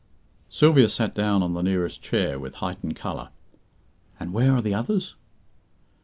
Sylvia sat down on the nearest chair, with heightened colour. "And where are the others?"